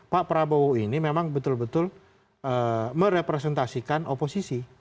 pak prabowo ini memang betul betul merepresentasikan oposisi